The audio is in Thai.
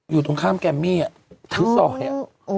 อยู่ตรงข้ามแก่มมี่อ่ะถือซอยแล้ว